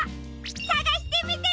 さがしてみてね！